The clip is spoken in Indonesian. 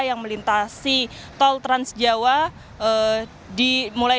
yang melintasi tol transjawa dimulai